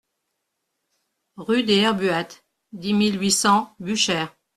Rue des Herbuates, dix mille huit cents Buchères